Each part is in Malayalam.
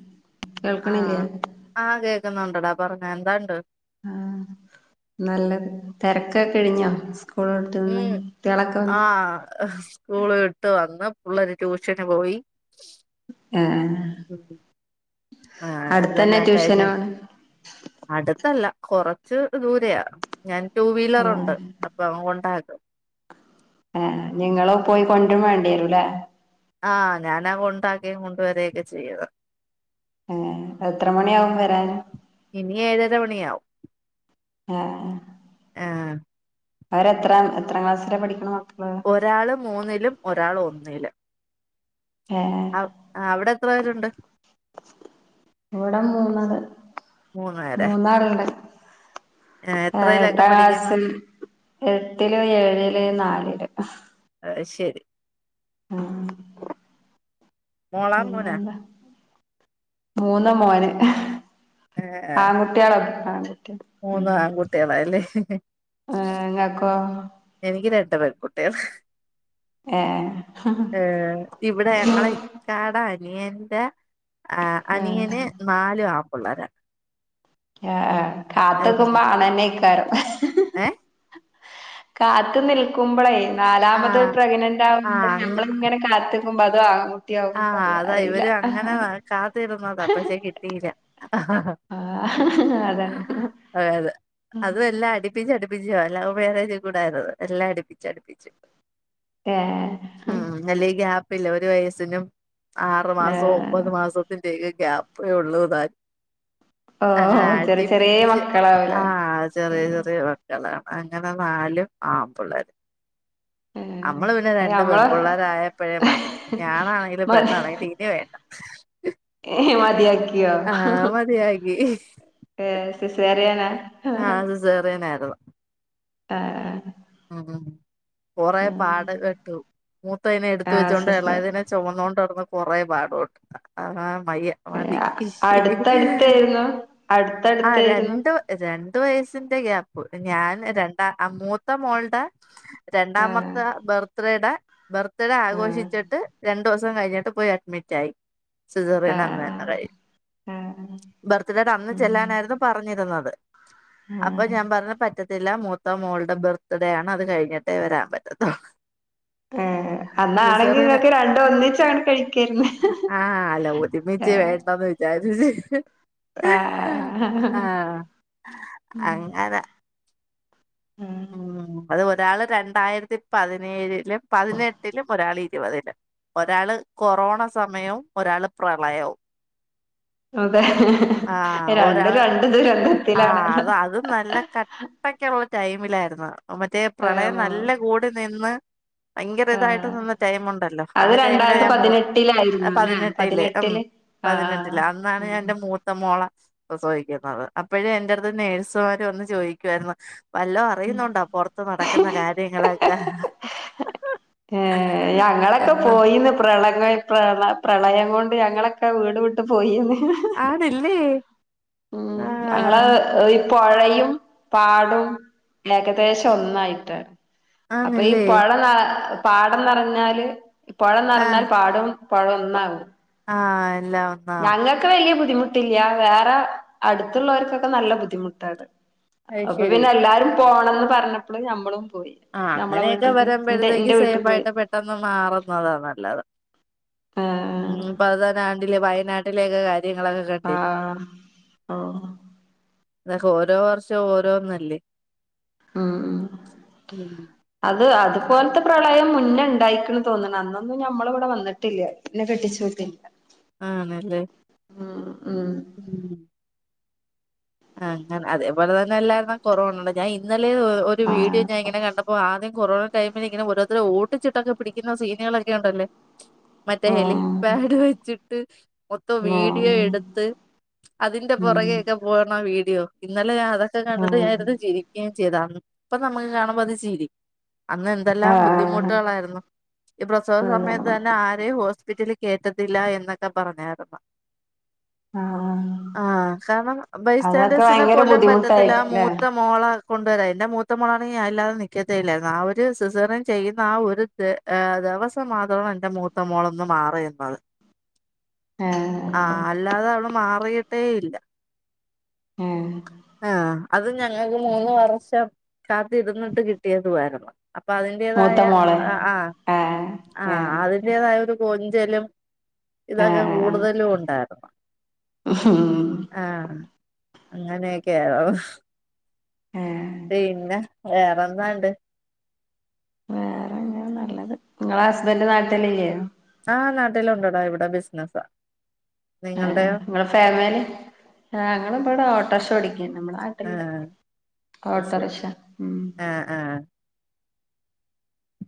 ഉം ആഹ് ആഹ് കേക്കുന്നു എടാ പറഞ്ഞോ എന്താണ്ട്? ആഹ് നല്ലത് തെരക്കൊക്കെ കഴിഞ്ഞോ? ഉസ് ഉം ആഹ് സ്കൂള് വിട്ട് വന്ന് പുള്ളാര് ട്യൂഷന് പോയി. ആഹ് ആഹ് ഉം ആഹ് ആഹ് അതെല്ലാം കഴിഞ്ഞ് അടുത്തല്ല കൊറച്ച് ദൂരെയാ ഞാൻ ടൂ ഏഹ് വീലറുണ്ട് അപ്പൊ അങ്ങ് കൊണ്ടായാക്ക് ആഹ് നിങ്ങള് പോയി കൊണ്ട‌രും വേണ്ടി വരുംല്ലേ ആഹ് ഞാനാ കൊണ്ടക്കേം കൊണ്ട്‌ വരെയൊക്കെ ചെയ്യ്ന്നത് ഏഹ് എത്ര മണിയാവും വരാൻ? ഇനി ഏഴര മണിയാവും ആഹ് ആഹ് അവരെത്ര എത്രാം ക്ലാസ്സിലാ പഠിക്കണെ മക്ക് ഒരാള് മൂന്നിലും ഒരാൾ ഒന്നിലും അവ് ആഹ് അവിടെ എത്ര പേരുണ്ട്? ഇവിട മൂന്നാള്. മൂന്ന് പേരാ മൂന്നാള്ണ്ട്. ഏഹ് എട്ടാം എത്രയിലൊക്കെ പഠിക്കുന്നു ക്ലാസിൽ എട്ടില്, ഏഴില്, നാലില് അത് ശരി. ആഹ് മോളാ പിന്നെ മോനാ എന്ത? മൂന്ന്‌ മോന് ആൺകുട്ടികള ആഹ് മൂന്ന്‌ ആൺകുട്ടികളാല്ലേ ഇങ്ങക്കോ എനിക്ക് ര ണ്ട് പെൺകുട്ടികള്. ഏ ഇവിടെ ഞങ്ങളെ ഇക്കാടെ അ നിയന്റെ ആഹ് അനിയന് നാലും ആമ്പുള്ളേരാ. ആഹ് ആഹ് കാത്ത് നിക്കുമ്പോ ആണ് തന്നെയിക്കാരം. ഏഹ് കാത്ത് നിൽക്കുമ്പ്ളെ നാലാമത് ആഹ് പ്രഗ്നന്റ് ആവുമ്പ ആഹ് അങ്ങ ഞമ്മള്ങ്ങനെ കാത്ത് [unintelligible] ആഹ് അതാ ഇവര് അങ്ങനെ കാത്തിരുന്നതാ പക്ഷെ കിട്ടീല്ല. ആഹ് അതാണ് ഉംഹ് ബിജോ ലൗ മേരേജ്ക്കൂടാര്ന്ന് എല്ലാ അടിപ്പിച്ച് അടിപ്പിച്ച്. ഏ ഉംഹ് അല്ലേ ഗ്യാപ് ഇല്ല ഒരു വയസ് സിനും ആറു ഏ മാസോ ഒമ്പത് മാസത്തിന്റെകെ ഗ്യാപ്പെ ഉള്ളൂതാൻ ഓ അങ്ങനെ ചെറിയ ചെറിയ അടിപ്പിച്ച് മക്കളാവുലേ ആഹ് ചെറിയ ചെറിയ മക്കളാ അങ്ങനെ നാലും ആൺപിള്ളേര്. അമ്മള് പിന്നെ ഏ രണ്ട് ഞമ്മള് പെമ്പള്ളേരായപ്പഴേ മതി. ഞാണാണെങ്കിലും മതി പെണ്ണാണെങ്കിലും തീരെ വേണ്ട [unintelligible] ആഹ് മതിയാക്കി ഏ സിസേറിയനാ ആഹ് സിസേറിയനായിരുന്നു ഏഹ് ഉ ഹും കുറെ പാട് പെട്ടു മൂത്തയിനെ എടുത്തു ആ വെച്ചോണ്ട് സിസേ എളയതിനെ ചുമന്നോണ്ട് നടന്ന കുറേ പാട് പെട്ടു ആ വയ്യ മതി. അടുത്തടുത്തായിരുന്നു ആ അടുത്തടുത്തായിരുന്നു രണ്ട് രണ്ട് വയസിന്റെ ഗ്യാപ്പ് ഞാൻ രണ്ടാ അ മൂ ത്തെ മോൾടെ ആ രണ്ടാമത്തെ ബർത്ത്ഡേയുടെ ബർത്ത്ഡേ ആ ആഘോഷിച്ചിട്ട് രൺ ണ്ടോസം കഴിഞ്ഞിട്ട് പോയി അഡ്മിറ്റായി ആ സിസറിയൻ എന്നെന്നേകയിഞ്ഞ്. ആ ബർത്ത്ഡേടെ അന്ന് ഉം ചെല്ലാനായിരുന്നു പറഞ്ഞിരുന്നത്. ആ അപ്പൊ ഞാൻ പറഞ്ഞ പറ്റ ത്തില്ല മൂത്ത മോൾഡ ബർ ത്ത്ടെയാണ് അത് കഴിഞ്ഞിട്ടേ വരാൻ പറ്റത്തൊള്ള് ഏഹ് അന്നാണെങ്കി നിങ്ങക്ക് രണ്ടും ഒന്നിച്ചാണ്ട് കഴിക്കേര്ന്ന് ആ അല്ല ഒരുമിച്ച് ഏഹ് വേണ്ടന്ന് [unintelligible] ആഹ് ആ ഉം അങ്ങനെ ഉം അത് ഒരാള് രണ്ടായിരത്തി പതിനേഴിലും പതിനെട്ടിലും ഒരാൾ ഇരുപതിലും ഒരാള് കൊറോണ സമയവും ഒരാള് പ്രളയവും ആ രണ്ടും രണ്ട് ദൂരന്ത ആ അത് അതും നല്ല കട്ടയ്ക്ക ടൈമിലായിരുന്നു. മറ്റേ ആ പ്രളയം നല്ല കൂടി നിന്ന് ഭയങ്കര ഇതായിട്ട് ആ നിന്ന ടൈമുണ്ടല്ലോ ആ അത് ടൈമിലാ രണ്ടായിരത്തി ഞാൻ മൂ പതിനെട്ടിലായിരുന്നു അ അല്ലെ പതിനെട്ടില് ഉം ആ പതിനെട്ടില് അന്നാണ് ഞാൻ ഉം എൻന്റെ മൂത്ത മോളെ പ്രസവിക്കുന്നത് അപ്പെഴെ എന്റെട്ത്ത് നേഴ്സുമാര് വന്ന് ചോദിക്കുമായിരുന്നു വല്ലോ അറിയുന്നുണ്ടോ പൊറത്ത് നടക്കുന്ന കാര്യങ്ങളൊക്കെ ഏഹ് ഞങ്ങളൊക്കെ എന്ന് പോയിന്ന് പ്രളയ പ്രള പ്രളയം കൊ ണ്ട് ഞങ്ങളൊക്കെ വീട് വിട്ട് പോ ആണല്ലേ ഉം ഞങ്ങളെ പുഴയും പാടും ഏകദേശം ഒന്നായിട്ടാണ് അപ്പൊ ഈ ആണില്ലേ പുഴ ന പാടം നിറഞ്ഞാല് പുഴ നിറഞ്ഞാൽ ആഹ് പാടും പൊഴ ഒന്നാവും ആഹ് എല്ലാം ഒന്നാവും ഞങ്ങൾക്ക് വലിയ ബു ദ്ധിമുട്ടില്ല വേറെ അടുത്തുള്ളൊര്ക്കൊക്കെ നല്ല ബുദ്ധിമുട്ടാണ് അത് അപ്പൊ ശരി പിന്നെ എല്ലാരും പോണന്ന് പറഞ്ഞപ്പള് ഞമ്മളും പോയി ആ ഞമ്മളെ അങ്ങനെയൊക്കെ വീട്ട്ക്ക് എന്റെ വരുമ്പോഴത്തേക്ക് എന്റെ വീട്ട്ക്ക് സേഫ് പോയി ആയിട്ട് പെട്ടെന്ന് മാറുന്നതാ നല്ലത് ആഹ് ഉം ഇപത് തന്നെ കണ്ടില്ലേ വയനാ ട്ടിലേക കാ ആഹ് ഓഹ് ഇതൊക്കെ ഓരോ വർഷവും ഓരോന്നല്ലേ ഉം ഉം ഉം ത്ത അതുപോലത്തെ പ്രളയം പിന്നെ ഉണ്ടായിക്ക്ണ് തോന്നണ് അന്നൊന്നും ഞമ്മള് ഇവിടെ വന്നിട്ടില്ല ഇന്നെ കെട്ടിച്ച് വിട്ടില്ല ആണല്ലേ ഉം ഉം ആ അങ്ങനെ അതേപോലെ തന്നെല്ലായിരുന്നൊ കൊറൊണടെ ഞാൻ ഇന്ന ലെ ഒരു വീഡിയോ ആഹ് ഞാൻ ഇങ്ങനെ കണ്ടപ്പം ആദ്യം കൊറോണ ടൈമില് ഇങ്ങനെ ഓരോരുത്തരെ ഓടിച്ചിട്ടൊക്കെ പിടിക്കുന്ന സീനുകളൊക്കെ ഉണ്ടല്ലോ മറ്റേ ഹെലി ആഹ് പാഡ് വച്ചി ട്ട് മൊത്തം വീഡിയോ ആഹ് എടുത്ത് അതിന്റെ ഉം പുറകെക്കെ പോ വീഡിയോ ഇന്നലെ ഞാ ഇതൊക്കെ കണ്ടിട്ട് ഞാനിരുന്ന് ചിരിക്കേം ചെയ്യ്തതാ ഇപ്പ നമ്മുക്ക് കാണുമ്പോ അത് ചിരി അന്ന് എന്തെല്ലാം ആഹ് ആഹ് ബുദ്ധിമുട്ടുകളായിരുന്നു ഈ പ്രസവ സമയത്ത് തന്നെ ആരെയും ഹോസ്പിറ്റലിൽ കേറ്റതില്ല എന്നൊക്കെ പറഞ്ഞ് നടപ്പാ ആഹ് ആഹ് കാരണം അതൊക്കെ ബയിസ്റ്റാൻടേഴ്സിനെ ഭയങ്കര പോലും പറ്റത്തില്ല ബുദ്ധിമുട്ടായിട്ടില്ലേ മൂത്ത മോള കൊണ്ടുവരാൻ എന്റെ മൂത്ത മോളാണെ ഞാനില്ലാതെ നിക്കത്തേ ഇല്ലായിരുന്നു ആ ഒരു സിസേറിയൻ ചെയ്യുന്ന ആ ഒരു ത് ഏ ദിവസം മാത്രമാണ് എൻറെ മൂത്ത മോളൊന്ന് മാറി നിന്നത് ഏ ആ അല്ലാതെ അവള് മാ കൊയ്യട്ടെ ഇല്ല ഏ ആഹ അത് ഞങ്ങൾക്ക് മൂന്ന് വർഷം കാത്തിരുന്നിട്ട് കിട്ടിയതു ആയിരുന്നു അപ്പ അതിന്റേതായ മൂത്ത മോളെ ആ ഏ ആ ഏ അതിന്റെതായ ഒരു കൊഞ്ചലും ഇതാ ഏ ഞാൻ കൂടുതലും ഉണ്ടായിര്ന്നു ഉം ആഹ അങ്ങനെക്കെ ഏ ഔ ഏ പിന്നെ വെറെന്താണ്ട് വെറെ എങ്ങനെ നല്ലത് നിങ്ങളെ ഹസ്ബൻഡ് നാട്ടില്ല്ലേ ആ നാട്ടിലുണ്ടടാ ഇവിടെ ബിസിനസ്സ ആ നിങ്ങളെ ഫാമിലി ആ ഞങ്ങള് ഇബടെ ഓട്ടർഷ ഓടിക്ക നമ്മള് നാട്ട്ല്ല ആഹ് അത് ശരി ഓട്ടോറിക്ഷ ഉം ആഹ് ആഹ്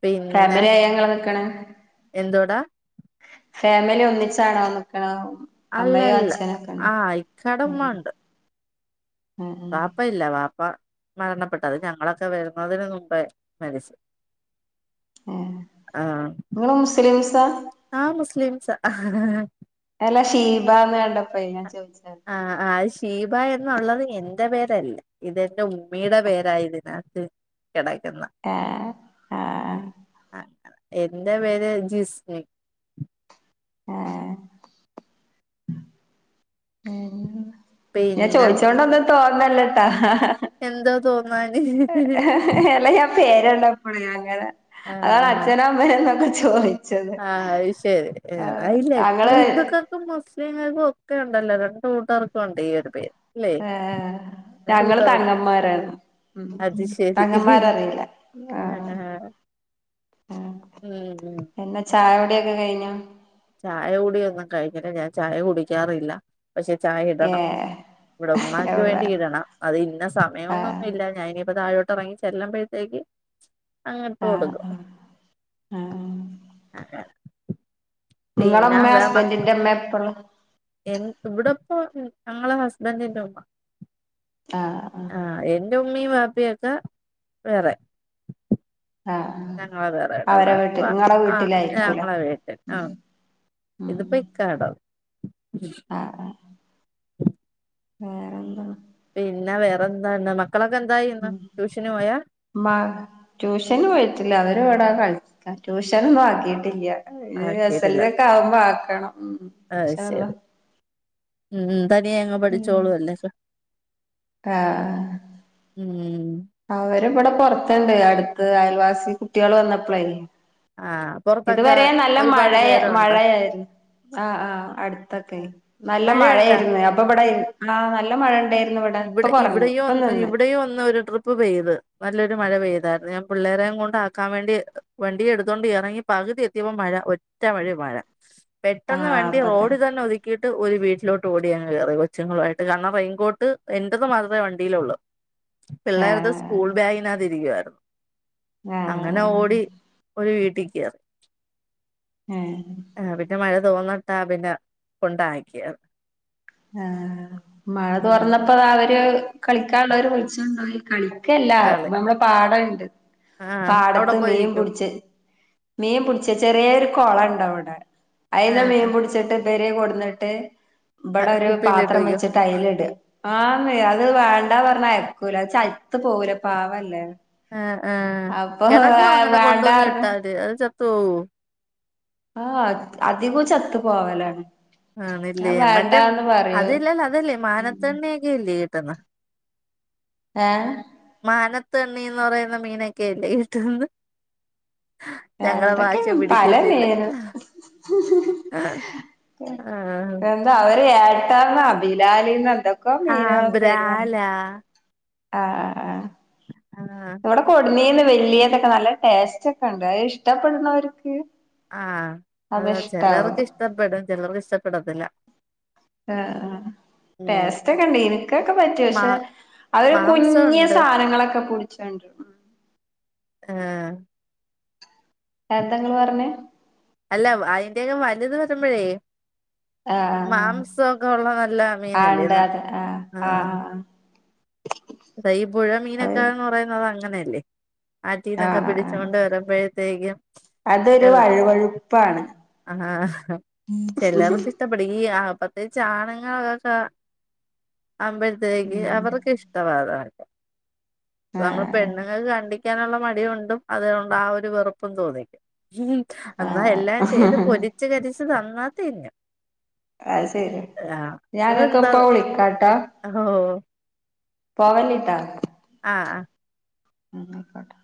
പിന്നെ ഫാമിലിയായ നിങ്ങള് നിക്ക്ണേ എന്തോടാ ഫാമിലി ഒന്നിച്ചാണോ നിക്ക്ണോ അല്ല അല്ല ഉം ഇക്കാടെമ്മണ്ട് ഉം പാപ്പ ഇല്ല പാപ്പ മരണപ്പെട്ടതാ അത് ഞങ്ങളൊക്കെ വരുന്നതിന് മുമ്പേ മരിച്ചു ഏ നിങ്ങള് മുസ്ലിംസ് സ ആഹ മുസ്ലിംസാ ഹ ഹ അല്ല ഷീബാന്ന് കണ്ട പ്പ അയിനാ ചോയിച്ചേ ശീബ എന്നുള്ളത് എന്റെ പേരല്ല ഇതെന്റെ ഉമ്മിയുടെ പേരാതിനകത്ത് കിടക്ക്ന്ന ഏ ആ ഉം ആ അതെ എന്റെ പേര് ജിസ്മി ആഹ ഉ [unintelligible] ഞാൻ ചോദിച്ചോൊണ്ടന്ന് തോന്നല്ലട്ടാ എന്താ തോന്നല് അല്ല പേര്ണ്ടപ്പോള അങ്ങനെ അതാണ് അച്ഛനൊ അമ്മയോ കൊണ്ട് ചൊറി ആ അത് ശരി അയില്ല ഇപ്പൊ ഞങ്ങള് ഹിന്ദുക്കാൾക്കും മാസ് ത് ഇങ്ങൾക്കും ഒക്കെ ഉണ്ടല്ലോ രണ്ട് കൂട്ടാർക്കും ഉണ്ട് ഈ ഒരു പേര് അല്ലേ ഏ രണ്ട് ഞങ്ങൾ കൂട്ടർ തങ്ങന്മാരന്നു അത് ശരി തങ്ങന്മാരറിയില്ല ആ ആഹ് ആഹ് ആ ഉം ഉം പിന്നെ ചായവിടെയൊക്കെ കഴിഞ്ഞ ചായ കുടിയൊന്നും കഴിഞ്ഞില്ല ഞാൻ ചായ കുടിക്കാറില്ല പക്ഷെ ചായ ഏ ഇടണം ഇവിടെ ഉമ്മാക്ക് വേണ്ടി ഇടണം അത് ഇന്ന ആ സമയൊന്നൊന്നു ഇല്ല ഞന് ഇനിപ്പോ താഴോട്ട് തുടങ്ങി ചെല്ല്പഴത്തേക്ക് അങ്ങ് ഇട്ട് ആ കൊടുക്കും ആ ആ [unintelligible] നിങ്ങളമ്മ ഹസ്ബൻറ്റിന്റെ അമ്മ എപ്പള് എ ഇവിടെപ്പ ഞങ്ങളെ ഹസ്ബൻറ്റിന്റെ ഉമ്മ ആ ആ ഉമ്മി വാപ്പിയൊക്കെ വേറെ ആ ആ ഞങ്ങളെ വേറെടെ അവരെ അവിടെ വീട്ടിൽ നിങ്ങളെ ആ വീട്ടിലായിരിക്കൂല ഞങ്ങളെ വീട്ടിൽ ആ ഉം ഉം ഇത് പയിക്കാടോ ആ ആ [unintelligible] വേറെന്താ പിന്നെ വേറെന്താ ഉള്ളത് ഉ മ ട്യൂഷന് പോയിട്ടില്ല അത ഇവിടാ കളിക്ക ട്യൂഷന്ന്നും ആക്കിയിട്ടില്ല ഇ എസ്‌ലിലൊക്കെ ആവുമ്പോ ആക്കാം വേണം ആ ശരി ഉം ഉം തനിയ അങ്ങ് പഠിച്ചോളു അല്ലേ സ് ഉം ഉം അതേ അവര് ഇവിടെ പൊറത്തുണ്ട് അടുത്ത് അയൽവാസി കുട്ടികൾ വന്നപ്പളെ ആഹ് പൊറത്തൊക്കെ ഇതുവരെ നല്ല ഒരുപാട് മഴയ പേരുണ്ടോ മഴയായിരുന്നു ആ ആഹ് അടുത്തൊക്കെ നല്ല മഴയുണ്ടാ മഴയായിരുന്നു അപ്പൊ ഇവിടെ ആഹ് നല്ല മഴ ഉണ്ടായിരു ഇവിടെ ഇവിടെയൊന്നരു ഇവിടെയൊന്നരു ഒരു ട്രിപ്പ് ഉപ്പ് പെയ്ത് നല്ലൊരു മഴ പെയ്തായിരുന്നു ഞാൻ പിള്ളേരെും കൊണ്ട ആക്കാൻ വേണ്ടി വണ്ടിയ എടുത്തുകോണ്ട് ഇറങ്ങി പകുതി എത്തിയപ്പോ മഴ ഒറ്റ മഴ മഴ പെട്ടെന്ന് ആഹ് വണ്ടി അപ്പ റോഡിൽ തന്നെ ഒതുക്കി ഒരു വീട്ടിലോട്ട് ഓടി അങ് കയറി കൊച്ചുങ്ങളായിട്ട് കാരണം റെയിൻ കോട്ട് എന്റേത് മാത്രേ വണ്ടിയിലൊള്ളു പിള്ളേരുത് സ്കൂൾ ആഹ് ബാഗിനകതിരിക്കുവായിരുന്നു അങ്ങനെ ആഹ് ഓടി ഒരു വീട്ട ടികേറി ഏ തോന്നിട്ടാ പിന്നെ കൊണ്ടാക്കിയത് ആ മഴ ഉം തോർന്നു അപ്പൊ താ അവര് കളിക്കാനുള്ളവര് വിളിച്ചുണ്ടായി കളി ക്കെല്ല കളി നമ്മുടെ പാടം [unintelligible] ആഹ് അവിടെ പാടത്ത് മീൻ പോയിരിക്കൂ പുടിച്ച് മീൻ പുടിച്ച് ചെറിയൊരു കൊളണ്ട അവിടെ അയില്ല ആഹ് മേൻ ആഹ് പുടിച്ചിട്ട് വരെ കൊട്ന്നിട്ട് ഇവിടെ ഒരു കുപ്പിയിലിട്ട് പാത്രം വെക്കും വെച്ചിട്ട് അയില് ഇടു ആന്ന് അത് വേണ്ടാ പറഞ്ഞ അയക്കൂല അത് ചത്ത് പോകൂല പാവല്ലേ ആ അപ്പൊ കിടക്കോ അങ്ങനെ കൊണ്ടുവന്ന് വേണ്ടാർഞ്ഞ് ഇട്ടാത് അത് ത്ത് പോവും ആ അധികവും ചത്ത പോവലാണ് ആ ഞാൻ ഇല്ലയേ മറ്റേ വേണ്ടാന്ന് അത് പറയും ഇല്ല അതല്ലേ മാനത്തകണ്ണി ഇല്ല തന്ന ഏ ത്തണ്ണിന്ന് പറയുന്ന മീനൊക്കെല്ലേ കിട്ടന്ന് എന്തൊക്കെയാ പലനേര് ആഹ് എന്താ അവരെയാര് [unintelligible] ബിലാല്ന്നാണ് ആഹ് ബ്രാലാ ആ ആ ആ ആഹ് ഇവടെ കൊട്ന്നേന് വല്യേതൊക്കെ നല്ല ടേസ്റ്റൊക്കെണ്ട് അതിഷ്ടപ്പെടുന്നവർക്ക് ആഹ് അതാ അതിഷ്ടാവും ചെലർക്ക് ഇഷ്ടപ്പെടും ചെലർക്ക് ഇഷ്ടപ്പെടത്തില്ല ആ ഉം ടേസ്റ്റൊക്കെണ്ട് എനിക്കൊക്കെ പറ്റും മാ പക്ഷെ അവ്ര് മാംസം ഉണ്ട് കുഞ്ഞ്സാനങ്ങളൊക്കെ പിടിച്ചോണ്ട്വരും ആഹ് എന്തങ്ങള്പറഞ്ഞെ അല്ല അയിന്റെയൊക്കെ വല്ത് വരുമ്പഴേ ആഹ് മാംസൊക്കെ ഉള്ള നല്ല ആ മീനല്ലേന്ന് ഇണ്ടത് ആഹ്-ആ ഇപ്പഈ പുഴമീനൊക്കാന്ന് പറയുന്നത് അങ്ങനെയല്ലേ ലെ ആറ്റിന്നൊക്കെ പിടിച്ചോണ്ട് വരുമ്പഴേ തെകയും അതൊരുവഴുവഴുപ്പാണ് ആഹാ ചെലർക്കിഷ്ടപ്പെടും ഈ ആ പ്രതേകിച്ചാണ്ങ്ങളൊക്ക അമ്പലത്തിലേക്ക് ഉം അവർക്ക് ഇഷ്ടവാത് നമ്മള് ആഹ് പെണ്ണുങ്ങൾക്കാണ്ടി ക്കാനുള്ള മടികൊണ്ടും അതുകൊണ്ടാഒരു വെറുപ്പും തോന്നിക്കും ഹ്മ്മ്‌ എന്നാ എല്ലാം ചെ ഏത് ആഹ് പൊരിച്ച് കരിച്ച് ഇത്തിരി തന്നാതിന്നും അത്ശെരി അതെന്താ ഞാനൊക്കെപ്പ വിളിക്കാട്ടാ ഓ പോവല്ലിട്ടാ ആഹ്-ആ ഉം ആയിക്കോട്ടെ